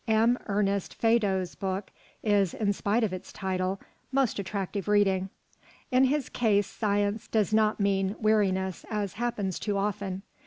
M. Ernest Feydeau's book is, in spite of its title, most attractive reading. In his case science does not mean weariness, as happens too often.